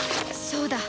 そうだ